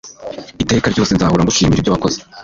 Iteka ryose nzahora ngushimira ibyo wakoze